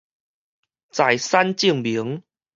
財產證明